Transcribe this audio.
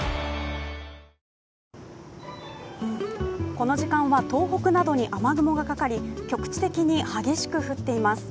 この時間は東北などに雨雲がかかり局地的に激しく降っています。